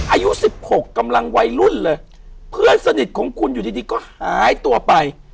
อายุสิบหกกำลังวัยรุ่นเลยเพื่อนสนิทของคุณอยู่ดีดีก็หายตัวไป